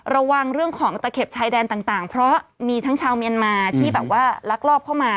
ระวังเรื่องของตะเข็บชายแดนต่างเพราะมีทั้งชาวเมียนมาที่แบบว่าลักลอบเข้ามา